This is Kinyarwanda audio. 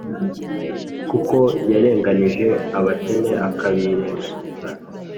kuko yarenganije abakene akabirengagiza,